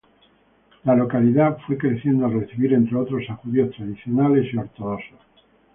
La localidad fue creciendo al recibir, entre otros, a judíos tradicionales y ortodoxos.